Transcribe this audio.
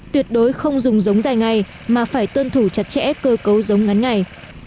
tuyệt đối không dùng giống dài ngày mà phải tuân thủ chặt chẽ cơ cấu giống ngắn ngày